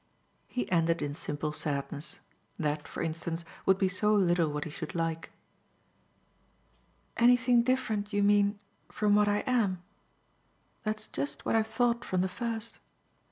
He ended in simple sadness: that, for instance, would be so little what he should like. "Anything different, you mean, from what I am? That's just what I've thought from the first.